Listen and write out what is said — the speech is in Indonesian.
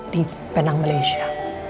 di penang malaysia